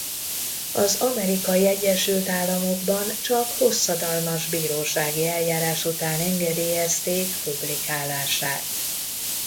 Az Amerikai Egyesült Államokban csak hosszadalmas bírósági eljárás után engedélyezték publikálását.